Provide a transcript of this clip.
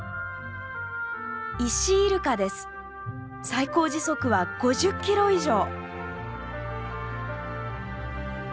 最高時速は５０キロ以上。